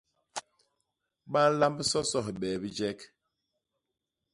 Ba nlamb soso hibee bijek.